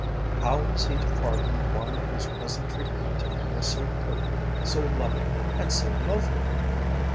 How was he to pardon one whose present treatment to him was so perfect, so loving, and so lovely?